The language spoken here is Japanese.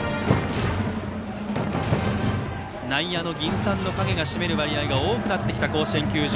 内野の銀傘の影が占める割合が多くなってきた甲子園球場。